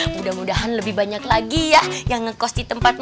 mudah mudahan lebih banyak lagi ya yang ngekos di tempatnya